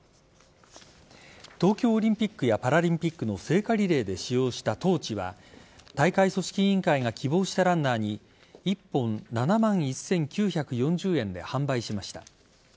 東京オリンピックやパラリンピックの聖火リレーで使用したトーチは大会組織委員会が希望したランナーに１本７万１９４０円で販売しました。